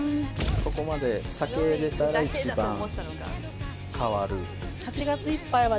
そこまで避けれたら一番変わる。